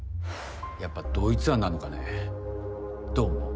やっぱ同一犯なのかねどう思う？